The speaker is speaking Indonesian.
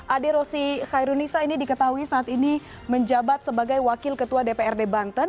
ade rosi khairul nisa ini diketahui saat ini menjabat sebagai wakil ketua dpr di banten